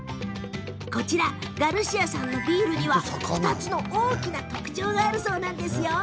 ガルシアさんのビールには２つの大きな特徴があるそうなんですよ。